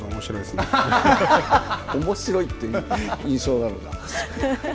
おもしろいって印象なのか。